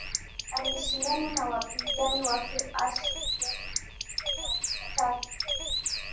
aliishindana na wapinzani wake ansh felix patasse